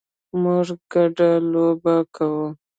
موږ ګډه لوبې کوو